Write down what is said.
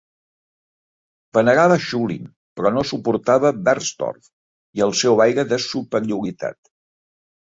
Venerava Schulin, però no suportava Bernstorff i el seu aire de superioritat.